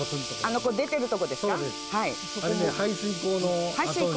あの出てるとこですか？